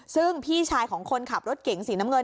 ซึ่งพี่ชายของคนขับรถเก๋งสีน้ำเงิน